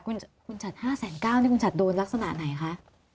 คุณฉัด๕๙๐๐นี่คุณฉัดโดนลักษณะไหนคะ